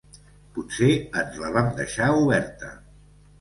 Potser ens la vam deixar oberta.